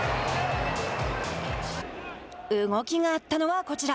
動きがあったのはこちら。